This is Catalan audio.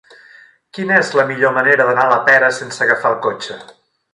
Quina és la millor manera d'anar a la Pera sense agafar el cotxe?